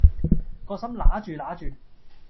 個心揦住揦住